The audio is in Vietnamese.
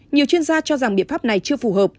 nhiều chuyên gia cho rằng biện pháp này chưa phù hợp